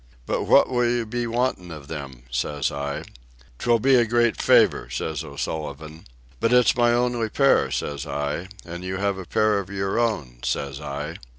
"But what will you be wantin' of them?" says I. "'Twill be a great favour," says O'Sullivan. "But it's my only pair," says I; "and you have a pair of your own," says I.